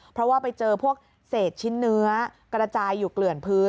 เพราะว่าไปเจอพวกเศษชิ้นเนื้อกระจายอยู่เกลื่อนพื้น